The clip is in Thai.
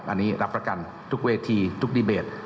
อันนี้รับประกันทุกเวทีทุกดีเบต